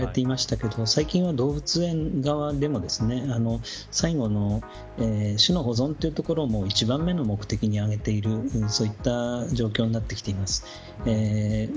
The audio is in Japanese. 先ほど、動物園の機能で４つ挙げられていましたけれども最近は動物園側でも最後の種の保存というところも１番目の目的に挙げているそういった状況になってきています。